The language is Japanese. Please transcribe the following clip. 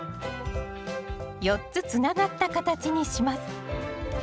４つつながった形にします